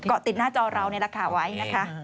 ก็ติดหน้าจอเราในราคาไว้นะคะ